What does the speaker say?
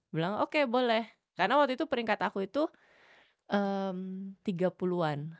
bilang oke boleh karena waktu itu peringkat aku itu tiga puluh an